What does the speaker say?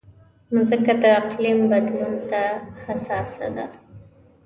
مځکه د اقلیم بدلون ته حساسه ده.